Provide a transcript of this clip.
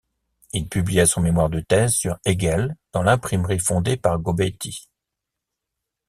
Il publia son mémoire de thèse sur Hegel dans l'imprimerie fondée par Gobetti.